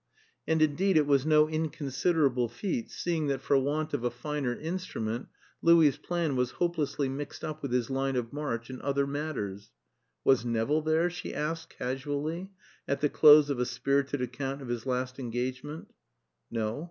And, indeed, it was no inconsiderable feat, seeing that for want of a finer instrument Louis's plan was hopelessly mixed up with his line of march and other matters. "Was Nevill there?" she asked, casually, at the close of a spirited account of his last engagement. "No.